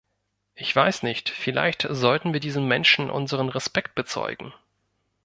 Ich weiß nicht, vielleicht sollten wir diesen Menschen unseren Respekt bezeugen.